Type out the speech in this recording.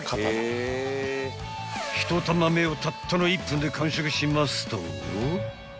［１玉目をたったの１分で完食しますと］